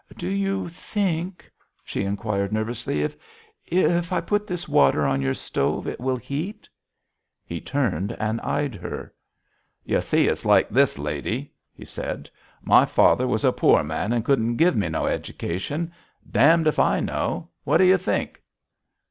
"Do you think," she inquired nervously, "if if I put this water on your stove, it will heat?" He turned and eyed her. "You see it's like this, lady," he said. "My father was a poor man and couldn't give me no education. Damned if I know. What do you think?"